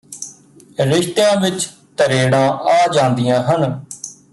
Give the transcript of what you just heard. ਰਿਸ਼ਤਿਆਂ ਵਿੱਚ ਤਰੇੜਾਂ ਆ ਜਾਂਦੀਆਂ ਹਨ